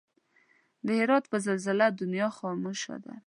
د هرات په زلزله دنيا خاموش ده